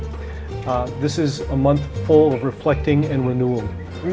ini adalah bulan yang penuh dengan refleksi dan penyelenggaraan